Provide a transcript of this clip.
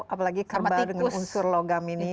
apalagi kerbau dengan unsur logam ini